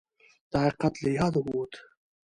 دا حقیقت له یاده ووت